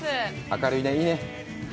明るいね、いいね。